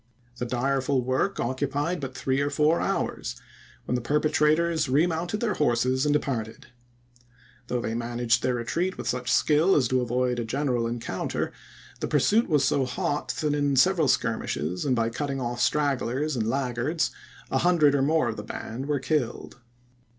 The direful work occupied but three or four hours, when the perpetrators re mounted their horses and departed. Though they managed their retreat with such skill as to avoid a general encounter, the pur suit was so hot that in several skirmishes, and by cutting off stragglers and laggards, a hundred or more of the band were killed.